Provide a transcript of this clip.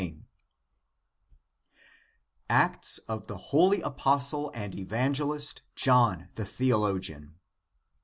151 160). Acts of the Holy Apostle and Evangelist John the Theologian.